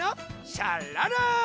シャララン！